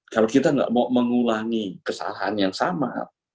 kalau kita tidak mau mengulangi kesalahan yang sama